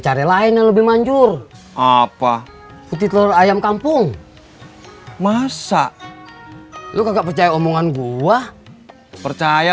cara lain yang lebih manjur apa putih telur ayam kampung masa lu kagak percaya omongan gua percaya